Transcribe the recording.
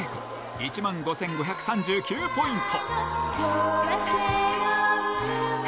１万５５３９ポイント。